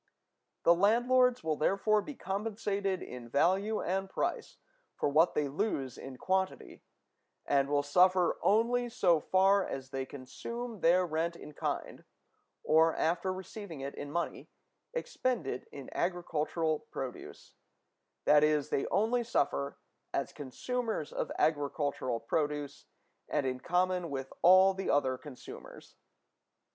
The landlords will therefore be compensated in value and price for what they lose in quantity, and will suffer only so far as they consume their rent in kind, or, after receiving it in money, expend it in agricultural produce; that is, they only suffer as consumers of agricultural produce, and in common with all the other consumers.